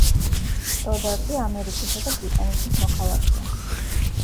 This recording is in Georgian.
სტოდარტი ამერიკისა და ბრიტანეთის მოქალაქეა.